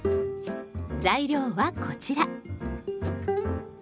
材料はこちら。